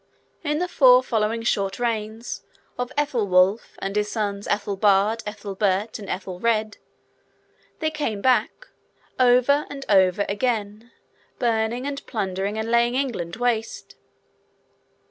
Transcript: In the four following short reigns, of Ethelwulf, and his sons, Ethelbald, Ethelbert, and Ethelred, they came back, over and over again, burning and plundering, and laying England waste.